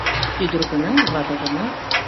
Ӱдыр гынат, вате гынат